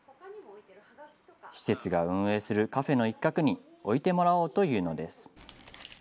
施設が運営するカフェの一角に置いてもらおうというのです。